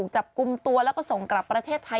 จับกลุ่มตัวแล้วก็ส่งกลับประเทศไทย